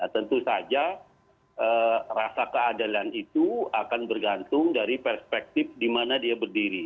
tentu saja rasa keadilan itu akan bergantung dari perspektif di mana dia berdiri